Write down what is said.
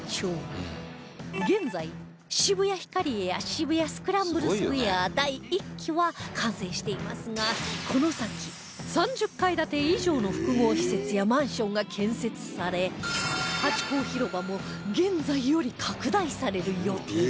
現在渋谷ヒカリエや渋谷スクランブルスクエア第 Ⅰ 期は完成していますがこの先３０階建て以上の複合施設やマンションが建設されハチ公広場も現在より拡大される予定